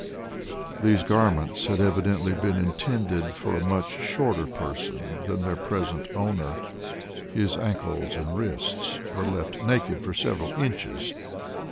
These garments had evidently been intended for a much shorter person than their present owner. His ankles and wrists were left naked for several inches.